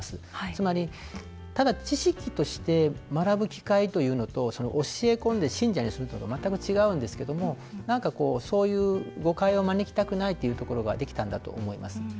つまり、ただ知識として学ぶ機会というのと教え込んで信者にするのと全く違うんですけどもそういう誤解を招きたくないというところができたんだと思います。